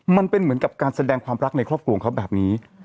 มันเป็นเหมือนกับการแสดงความรักในครอบครัวเขาแบบนี้